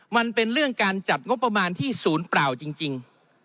มันเป็นเรื่องการจัดงบประมาณที่ศูนย์เปล่าจริง